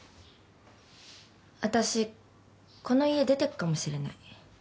私この家出てくかもしれない。